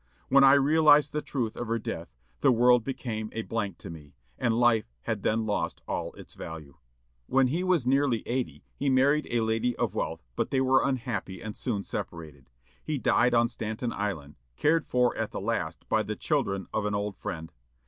When I realized the truth of her death, the world became a blank to me, and life had then lost all its value." When he was nearly eighty, he married a lady of wealth; but they were unhappy, and soon separated. He died on Staten Island, cared for at the last by the children of an old friend.